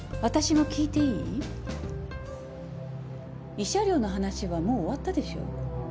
慰謝料の話はもう終わったでしょ？